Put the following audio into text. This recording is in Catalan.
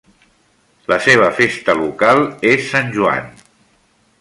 La seva festa local és Sant Joan.